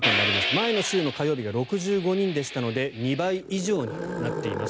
前の週の火曜日が６５人でしたので２倍以上になっています。